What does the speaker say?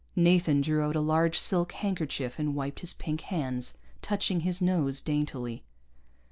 Nathan drew out a large silk handkerchief and wiped his pink hands, touching his nose daintily.